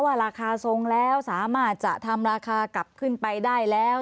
ราคาทรงแล้วสามารถจะทำราคากลับขึ้นไปได้แล้ว